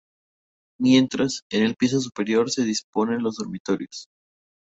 Mientras, en el piso superior se disponen los dormitorios.